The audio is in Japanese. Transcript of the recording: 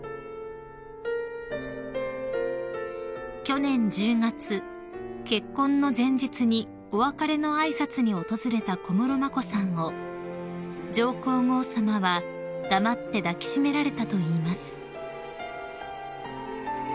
［去年１０月結婚の前日にお別れの挨拶に訪れた小室眞子さんを上皇后さまは黙って抱き締められたといいます］